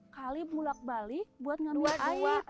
sepuluh kali bulat balik buat ngambil air